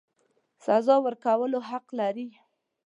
سزا ورکولو حق لري.